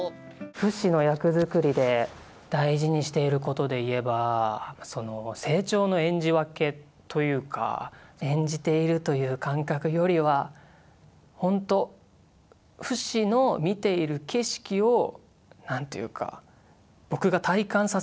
フシの役作りで大事にしていることでいえば成長の演じ分けというか演じているという感覚よりはほんとフシの見ている景色をなんというか僕が体感させてもらっているというか。